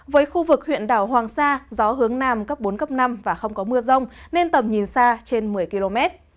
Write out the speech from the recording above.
với khu vực huyện đảo hoàng sa gió hướng nam cấp bốn cấp năm và không có mưa rông nên tầm nhìn xa trên một mươi km